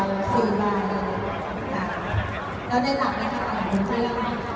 ก็มีมาเกิดขหาหรือ